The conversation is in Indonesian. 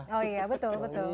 oh iya betul betul